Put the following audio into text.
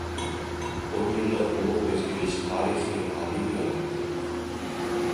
ئون يىللىق ئۇلۇغ ئۆزگىرىش تارىخىي ئابىدە ياراتتى.